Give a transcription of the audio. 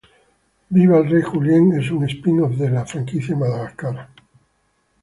Viva el Rey Julien es un spin off de la franquicia "Madagascar".